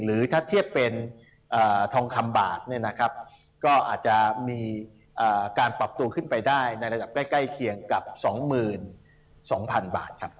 หรือถ้าเทียบเป็นทองคำบาทเนี่ยนะครับก็อาจจะมีการปรับตัวขึ้นไปได้ในระดับใกล้เคียงกับ๒๒๐๐๐บาทครับ